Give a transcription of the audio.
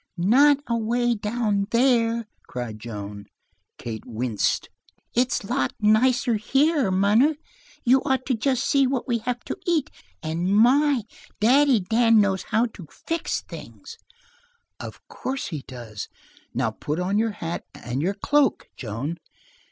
"Not away down there!" cried Joan. Kate winced. "It's lots nicer here, munner. You'd ought to just see what we have to eat! And my, Daddy Dan knows how to fix things." "Of course he does. Now put on your hat and your cloak, Joan."